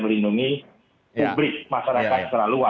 melindungi publik masyarakat secara luas